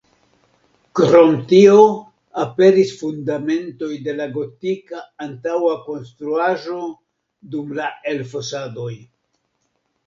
Krom tio aperis fundamentoj de la gotika antaŭa konstruaĵo dum la elfosadoj.